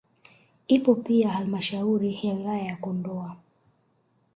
Ipo pia halmashauri ya wilaya ya Kondoa